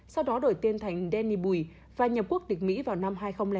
sau đó đổi tên thành danny bùi và nhập quốc địch mỹ vào năm hai nghìn năm